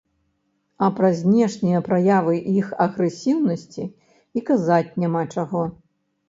А пра знешнія праявы іх агрэсіўнасці і казаць няма чаго!